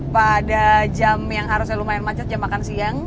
pada jam yang harusnya lumayan macet jam makan siang